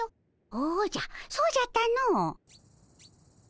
おじゃそうじゃったの。